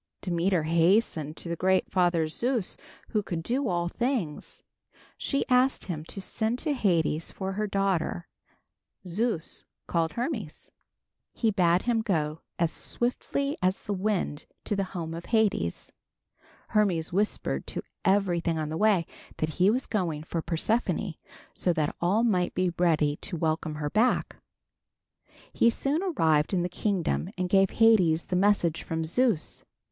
Demeter hastened to the great father Zeus, who could do all things. She asked him to send to Hades for her daughter. Zeus called Hermes. He bade him go as swiftly as the wind to the home of Hades. Hermes whispered to everything on the way that he was going for Persephone so that all might be ready to welcome her back. He soon arrived in the kingdom and gave Hades the message from Zeus.